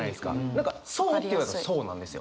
何かそうって言われたらそうなんですよ。